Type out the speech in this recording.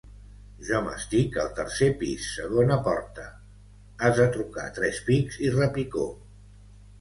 Jo m'estic al tercer pis, segona porta: has de trucar tres pics i repicó.